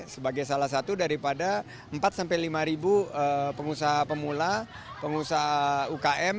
sebagai salah satu daripada empat sampai lima pengusaha pemula pengusaha ukm